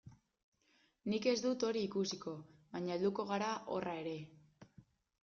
Nik ez dut hori ikusiko, baina helduko gara horra ere.